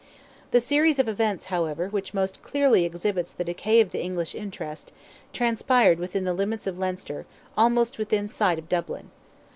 The series of events, however, which most clearly exhibits the decay of the English interest, transpired within the limits of Leinster, almost within sight of Dublin.